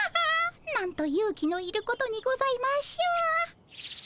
あなんと勇気のいることにございましょう。